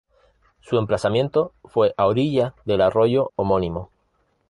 Su emplazamiento fue a orillas del arroyo homónimo.